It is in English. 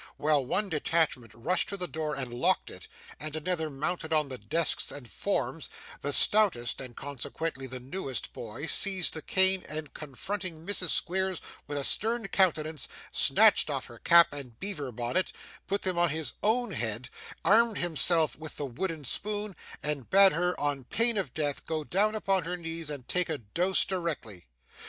While one detachment rushed to the door and locked it, and another mounted on the desks and forms, the stoutest (and consequently the newest) boy seized the cane, and confronting Mrs. Squeers with a stern countenance, snatched off her cap and beaver bonnet, put them on his own head, armed himself with the wooden spoon, and bade her, on pain of death, go down upon her knees and take a dose directly.